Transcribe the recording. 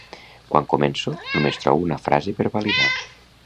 Quan començo només trobo una frase per validar